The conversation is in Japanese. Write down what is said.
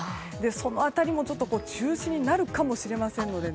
その辺りも中止になるかもしれませんので。